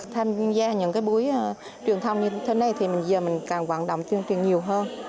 tham gia những buổi truyền thông như thế này thì giờ mình càng hoạt động truyền truyền nhiều hơn